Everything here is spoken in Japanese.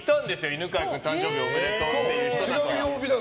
犬飼君、誕生日おめでとうって人たちが。